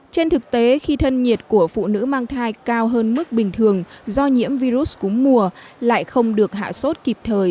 trên thực tế khi thân nhiệt của phụ nữ mang thai cao hơn mức bình thường do nhiễm virus cúm mùa lại không được hạ sốt kịp thời